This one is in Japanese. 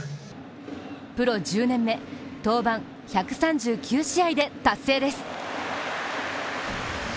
プロ１０年目、登板１３９試合で達成です。